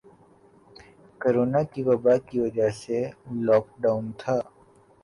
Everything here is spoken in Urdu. کورونا کی وبا کی وجہ سے لاک ڈاؤن تھا